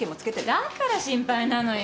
だから心配なのよ。